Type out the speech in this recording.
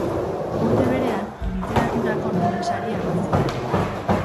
Urte berean, Literaturako Nobel saria eman zioten.